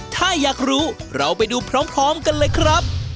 ถ้าอยากรู้เราไปดูพร้อมกันเลยครับ